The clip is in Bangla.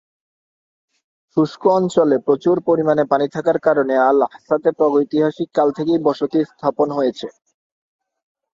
শুষ্ক অঞ্চলে প্রচুর পরিমাণে পানি থাকার কারণে আল-আহসাতে প্রাগৈতিহাসিক কাল থেকেই বসতি স্থাপন হয়েছে।